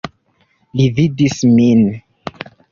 Li vidis min.